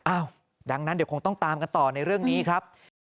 ดังนั้นเดี๋ยวคงต้องตามกันต่อในเรื่องนี้ครับ